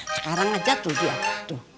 sekarang aja tuh dia tuh